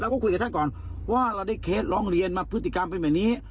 ก็คุยกับท่านก่อนว่าเราได้เคสร้องเรียนมาพฤติกรรมเป็นแบบนี้